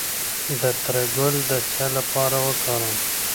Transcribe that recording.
د تره ګل د څه لپاره وکاروم؟